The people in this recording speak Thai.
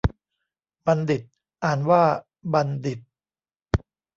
บัณฑิต อ่านว่าบันดิด